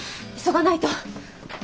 急がないと！